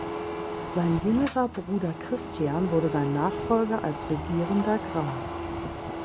Sein jüngerer Bruder Christian wurde sein Nachfolger als regierender Graf.